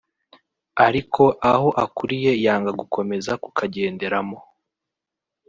ariko aho akuriye yanga gukomeza kukagenderamo